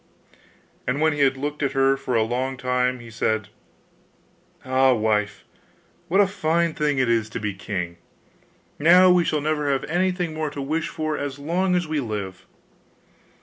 And when he had looked at her for a long time, he said, 'Ah, wife! what a fine thing it is to be king! Now we shall never have anything more to wish for as long as we live.